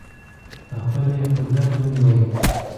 په خپله یې قدرت ونیوی.